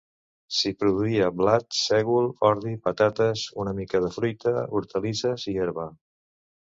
S'hi produïa blat, sègol, ordi, patates, una mica de fruita, hortalisses i herba.